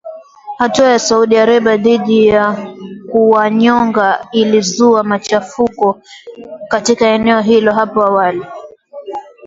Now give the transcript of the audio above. Hatua ya Saudi Arabia dhidi ya kuwanyonga ilizua machafuko katika eneo hilo hapo awali